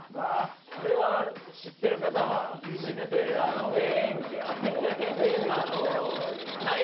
これは知ってる方は知ってる名演技。